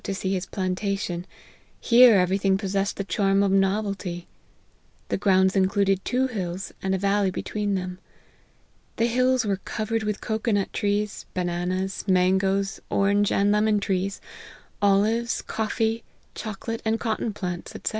59 to see his pla, ntation ; here every thing possessed the charm of novelty. The grounds included two hills, and a valley between them. The hills were covered with cocoa nut trees, bananas, mangoes, orange and lemon trees, olives, coffee, chocolate, and cotton plants, &c.